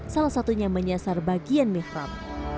salah satunya menyasar bagian mihram